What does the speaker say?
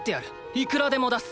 いくらでも出す！